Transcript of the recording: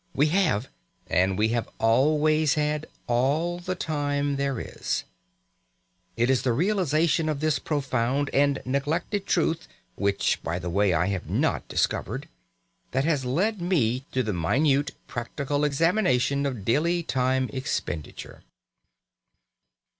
We have, and we have always had, all the time there is. It is the realisation of this profound and neglected truth (which, by the way, I have not discovered) that has led me to the minute practical examination of daily time expenditure.